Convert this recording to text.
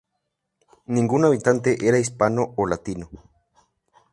Ningún habitante era hispano o latino.